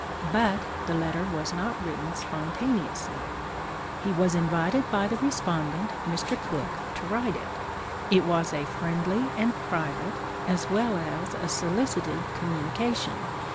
But the letter was not written spontaneously. He was invited by the respondent, Mr. Cook, to write it. It was a friendly and private, as well as a solicited, communication.